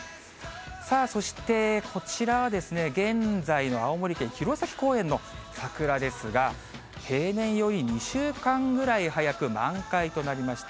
さあそしてこちらは、現在の青森県弘前公園の桜ですが、平年より２週間ぐらい早く満開となりました。